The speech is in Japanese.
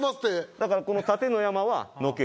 だからこの縦の山はのけます。